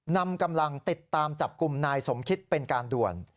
นำกำลังติดตามจับกลุ่มนายสมคิดเป็นการด่วน